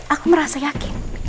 aku merasa yakin